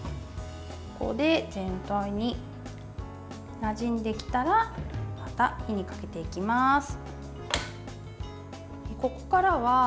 ここで全体になじんできたらまた火にかけていきます。